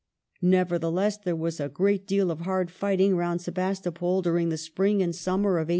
Nevertheless, there was a great deal of hard °^^^®^^^ fighting round Sebastopol during the spring and summer of 1855.